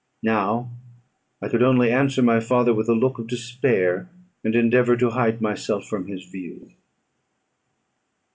Now I could only answer my father with a look of despair, and endeavour to hide myself from his view.